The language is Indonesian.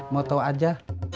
mau tau aja